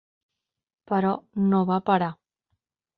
Però no va parar.